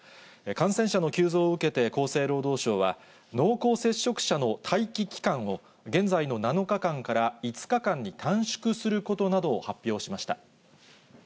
感染者の急増を受けて、厚生労働省は、濃厚接触者の待機期間を、現在の７日間から５日間に短縮することなどを発表しました。